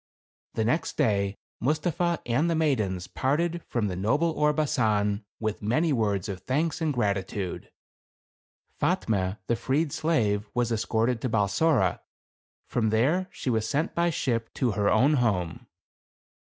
The next day Mustapha and the maidens parted from the noble Orbasan with many words of thanks and gratitude. Fatme, the freed slave, was escorted to Balsora. From there she was sent by ship to her own home.